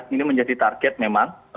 ini menjadi target memang